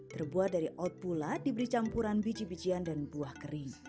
terbuat dari oat pula diberi campuran biji bijian dan buah kering